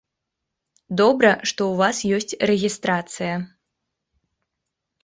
Добра, што ў вас ёсць рэгістрацыя.